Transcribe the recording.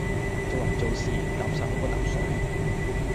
做人做事，踏實好過疊水